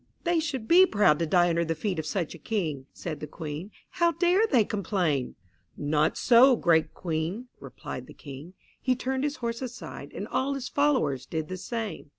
'" "They should be proud to die under the feet of such a King," said the Queen. "How dare they complain!" "Not so, great Queen," replied the King. He turned his horse aside and all his followers did the same.